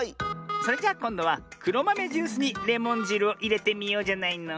それじゃこんどはくろまめジュースにレモンじるをいれてみようじゃないの。